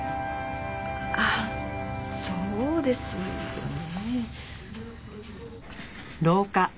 あっそうですよね。